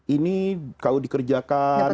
ini kalau dikerjakan